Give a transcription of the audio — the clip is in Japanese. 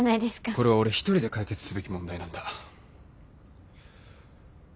これは俺一人で解決すべき問題なんだ。